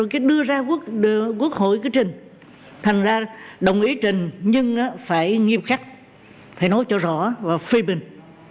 cái đưa ra quốc hội cái trình thành ra đồng ý trình nhưng phải nghiêm khắc phải nói cho rõ và phê bình